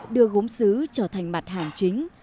đưa gốm xứ trở thành mặt hàng chính